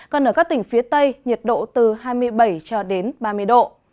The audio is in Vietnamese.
còn ở các tỉnh phía tây nhiệt độ từ hai mươi bảy ba mươi độ